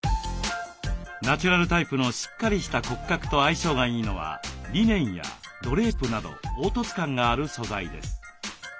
ナチュラルタイプのしっかりした骨格と相性がいいのはリネンやドレープなど凹凸感がある素材です。